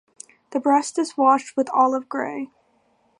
The breast is washed with olive-gray.